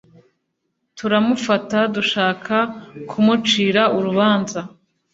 turamufata dushaka kumucira urubanza